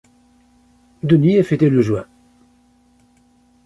Denis est fêté le juin.